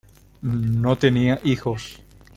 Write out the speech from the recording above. No tenía hijos.